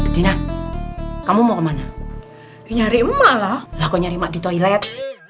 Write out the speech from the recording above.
dina kamu mau kemana nyari emak lah aku nyari emak di toilet